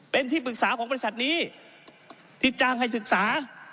เป็นที่ปรึกษาของบริษัทนี้ที่จ้างให้ศึกษา